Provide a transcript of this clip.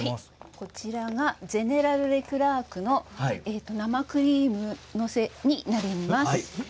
ゼネラル・レクラークの生クリーム載せになります。